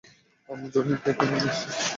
আমি জনিকে ওখানে নিয়ে আসছি।